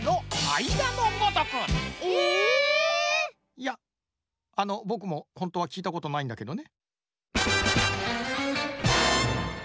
⁉いやあのぼくもほんとはきいたことないんだけどね。